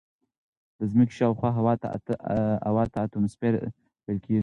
د ځمکې شاوخوا هوا ته اتموسفیر ویل کیږي.